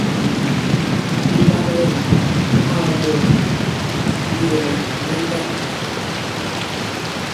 O bagǝdan ai mod, o yəməŋ nye ndan.